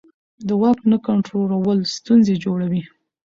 د واک نه کنټرول ستونزې جوړوي